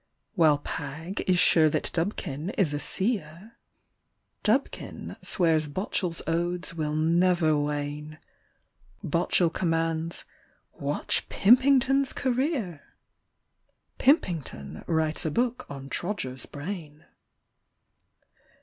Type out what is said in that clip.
While Pagg is sure that Dubkin is a seer, Dubkin swears Botchell's odes will never wane ; Botchell commands :" Watch Pimping ton's career! " Pimpington writes a book on Trodger's brain.